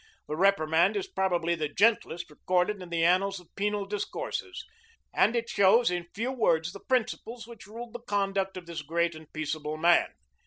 The reprimand is probably the gentlest recorded in the annals of penal discourses, and it shows in few words the principles which ruled the conduct of this great and peaceable man.